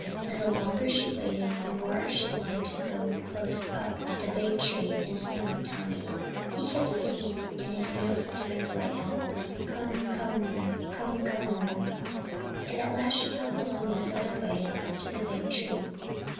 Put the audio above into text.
And the longer she waited the more she wanted to go close up to the big tree and sing with Tommy. He kept singing in his beautiful tenor voice, "Kum kum, kum kum!" and at last she hopped along the silver way up to the big tree.